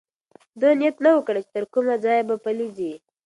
ده نیت نه و کړی چې تر کومه ځایه به پلی ځي.